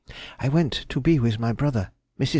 _—I went to be with my brother. Mrs.